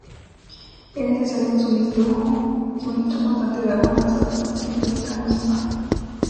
Es necesario un suministro constante de agua en caso de exposición química nociva.